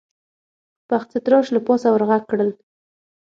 پخڅه تراش له پاسه ور غږ کړل: